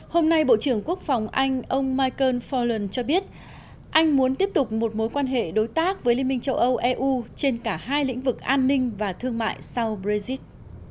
hôm nay bộ trưởng quốc phòng anh ông michael fourllan cho biết anh muốn tiếp tục một mối quan hệ đối tác với liên minh châu âu eu trên cả hai lĩnh vực an ninh và thương mại sau brexit